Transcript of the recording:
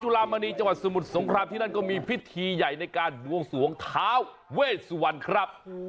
ลามณีจังหวัดสมุทรสงครามที่นั่นก็มีพิธีใหญ่ในการบวงสวงท้าเวสวรรณครับ